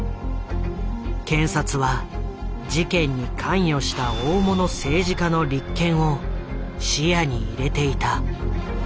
検察は事件に関与した大物政治家の立件を視野に入れていた。